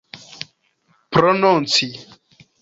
prononci